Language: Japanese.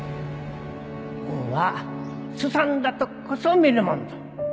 海んはすさんだとっこそ見るもんぞ。